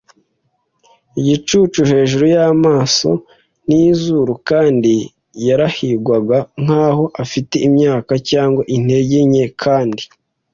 igicucu hejuru y'amaso n'izuru; kandi yarahigwaga, nkaho afite imyaka cyangwa intege nke, kandi